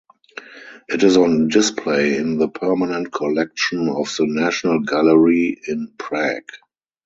It is on display in the permanent collection of the National Gallery in Prague.